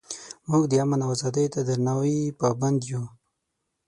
موږ د امن او ازادۍ ته درناوي پابند یو.